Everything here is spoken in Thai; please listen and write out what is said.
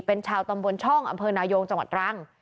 เป็นชาวตำบลช่องอำเภอนายงจังหวัดตรัง